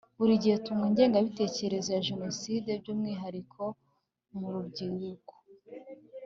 buri gihe turwanya ingengabitekerezo ya jenoside by'umwihariko mu rubyiruko